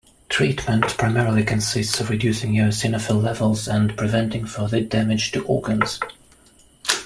Treatment primarily consists of reducing eosinophil levels and preventing further damage to organs.